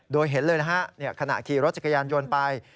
โดยเห็นเลยนะฮะขณะขี่รถจักรยานยนต์ไป